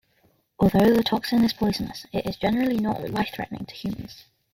Although the toxin is poisonous, it is generally not life-threatening to humans.